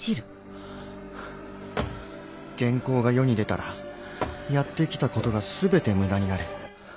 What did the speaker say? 原稿が世に出たらやって来たことが全て無駄になる。